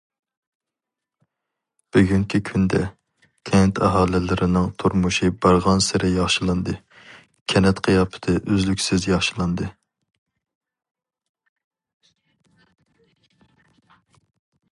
بۈگۈنكى كۈندە، كەنت ئاھالىلىرىنىڭ تۇرمۇشى بارغانسېرى ياخشىلاندى، كەنت قىياپىتى ئۈزلۈكسىز ياخشىلاندى.